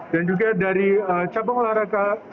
dan juga dari cabang olahraga